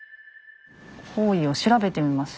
方位を調べてみます。